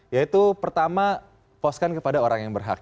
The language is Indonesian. yaitu pertama poskan kepada orang yang berhak